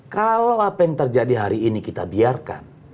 kalau apa yang terjadi hari ini kita biarkan